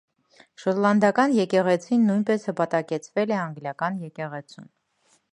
Շոտլանդական եկեղեցին նույնպես հպատակեցվել է անգլիական եկեղեցուն։